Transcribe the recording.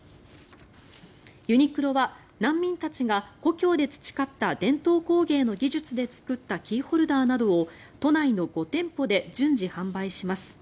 ユニクロは難民たちが故郷で培った伝統工芸の技術で作ったキーホルダーなどを都内の５店舗で順次、販売します。